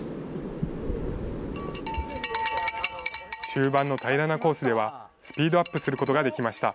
終盤の平らなコースでは、スピードアップすることができました。